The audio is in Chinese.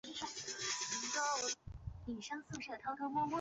车站位于东西向的高路上。